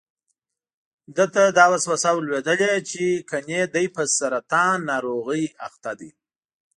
ده ته دا وسوسه ور لوېدلې چې ګني دی په سرطان ناروغۍ اخته دی.